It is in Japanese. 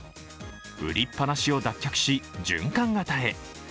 売りっぱなしを脱却し、循環型へ。